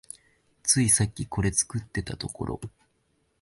ついさっきこれ作ってたところ